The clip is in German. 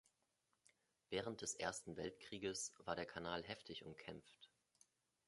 Während des Ersten Weltkrieges war der Kanal heftig umkämpft.